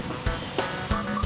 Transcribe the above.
saya mau beli beras